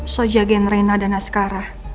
so jagain reina sama askarah